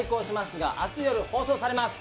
が、あす夜放送されます。